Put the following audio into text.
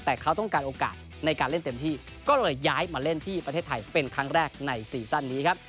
แต่เขาต้องการโอกาสในการเล่นเต็มที่ก็เลยย้ายมาเล่นที่ประเทศไทยเป็นครั้งแรกในซีซั่นนี้ครับ